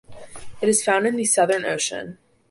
It is found in the Southern Ocean.